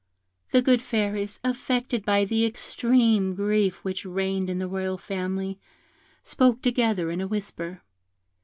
The good Fairies, affected by the extreme grief which reigned in the royal family, spoke together in a whisper.